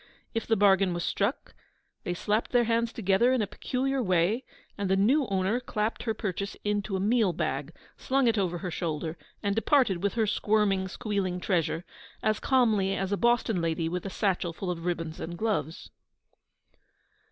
If the bargain was struck, they slapped their hands together in a peculiar way, and the new owner clapped her purchase into a meal bag, slung it over her shoulder, and departed with her squirming, squealing treasure as calmly as a Boston lady with a satchel full of ribbons and gloves.